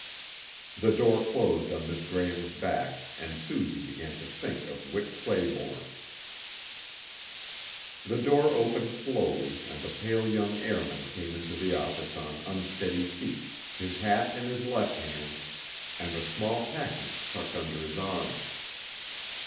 The door closed on Miss Graham's back, and Suzy began to think of Whit Clayborne. The door opened slowly, and the pale young airman came into the office on unsteady feet, his hat in his left hand, and a small package tucked under his arm.